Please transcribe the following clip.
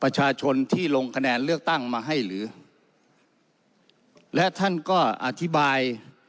ประชาชนที่ลงคะแนนเลือกตั้งมาให้หรือและท่านก็อธิบาย